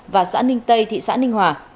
và xã ninh tây thị xã ninh hòa